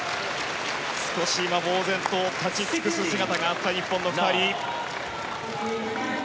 少し今ぼうぜんと立ち尽くす姿があった日本の２人。